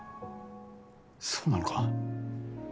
そうなのか？